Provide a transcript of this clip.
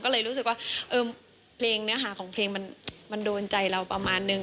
ก็เลยรู้สึกว่าเพลงเนื้อหาของเพลงมันโดนใจเราประมาณนึง